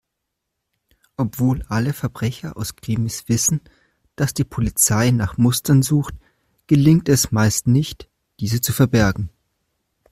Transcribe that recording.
Obwohl alle Verbrecher aus Krimis wissen, dass die Polizei nach Mustern sucht, gelingt es meist nicht, diese zu verbergen.